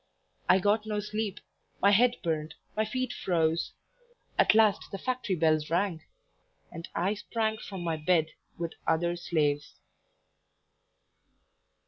I got no sleep; my head burned, my feet froze; at last the factory bells rang, and I sprang from my bed with other slaves.